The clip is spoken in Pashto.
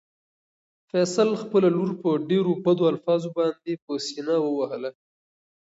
فیصل خپله خور په ډېرو بدو الفاظو باندې په سېنه ووهله.